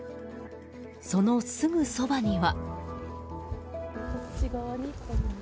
そのすぐそばには。